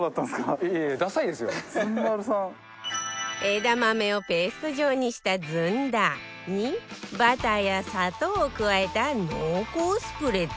枝豆をペースト状にしたずんだにバターや砂糖を加えた濃厚スプレッド